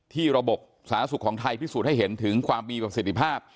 ระบบสาธารณสุขของไทยพิสูจน์ให้เห็นถึงความมีประสิทธิภาพ